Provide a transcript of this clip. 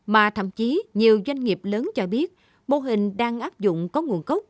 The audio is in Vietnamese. mà thậm chí nhiều doanh nghiệp lớn cho biết mô hình đang áp dụng có nguồn gốc